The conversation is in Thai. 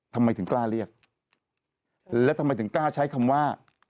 ทำไมถึงกล้าเรียกแล้วทำไมถึงกล้าใช้คำว่า